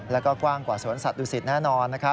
แล้วก็กว้างกว่าสวนสัตวศิษฐ์แน่นอน